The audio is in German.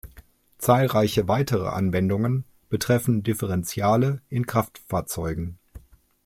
Zahlreiche weitere Anwendungen betreffen Differentiale in Kraftfahrzeugen.